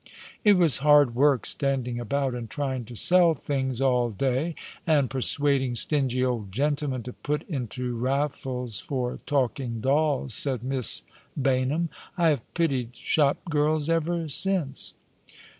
" It was hard work standing about and trying to sell things all day, and persuading stingy old gentlemen to put into raffles'for talking dolls," said Miss Baynham. *' I have pitied shop girls ever since."